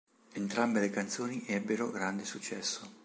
Entrambe le canzoni ebbero grande successo.